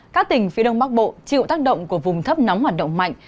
các tỉnh phía đông bắc bộ chịu tác động của vùng thấp nóng hoạt động mạnh